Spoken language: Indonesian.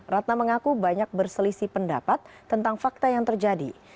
ratna mengaku banyak berselisih pendapat tentang fakta yang terjadi